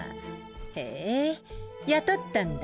へぇ雇ったんだ。